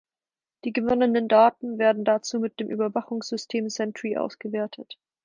Die gewonnenen Daten werden dazu mit dem Überwachungssystem Sentry ausgewertet.